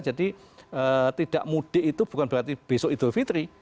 jadi tidak mudik itu bukan berarti besok idul fitri